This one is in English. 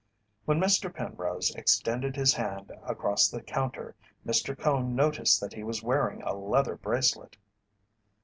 When Mr. Penrose extended his hand across the counter Mr. Cone noticed that he was wearing a leather bracelet.